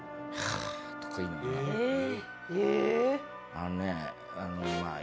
あのね。